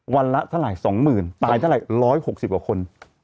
วันละสลายสองหมื่นตายสลายร้อยหกสิบกว่าคน